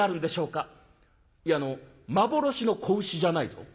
「いやあの幻の子牛じゃないぞ。